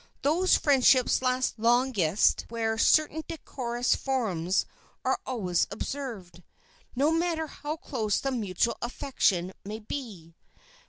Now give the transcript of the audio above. Those friendships last longest where certain decorous forms are always observed, no matter how close the mutual affection may be.